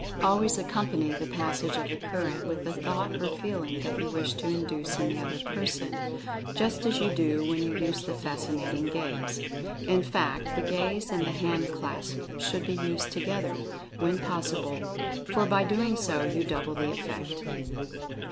Always accompany the passage of the current with the thought or feeling that you wish to induce in the other person, just as you do when you use the Fascinating Gaze. In fact, the Gaze and the hand clasp should be used together, when pos sible, for by so doing you double the effect.